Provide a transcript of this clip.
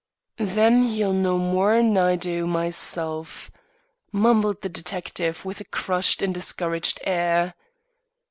"Then, he'll know mor'n I do myself," mumbled the detective, with a crushed and discouraged air.